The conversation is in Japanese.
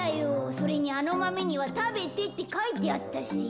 それにあのマメには「食べて」ってかいてあったし。